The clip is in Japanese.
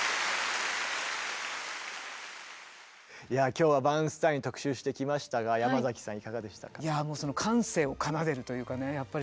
今日はバーンスタイン特集してきましたがヤマザキさんいかがでしたか？